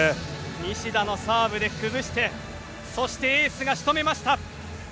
西田のサーブで崩してそしてエースが仕留めました。